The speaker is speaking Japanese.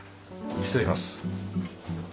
失礼します。